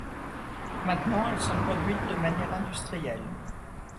Maintenant, elles sont produites de manière industrielle.